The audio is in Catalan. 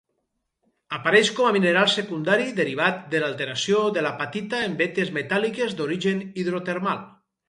Apareix com a mineral secundari derivat de l'alteració de l'apatita, en vetes metàl·liques d'origen hidrotermal.